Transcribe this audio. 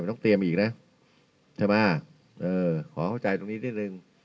ต้องเตรียมอีกนะใช่ไหมเออขอเข้าใจตรงนี้นิดนึง